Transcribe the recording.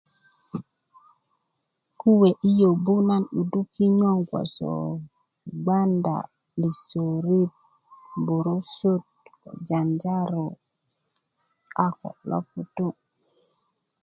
kuwe' yi yobu nan 'yudu kinyo gboso gbanda lisörit burusut janjaro a ko loputu'